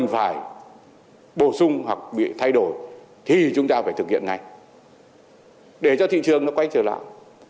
phải bổ sung hoặc bị thay đổi thì chúng ta phải thực hiện ngay để cho thị trường nó quay trở lại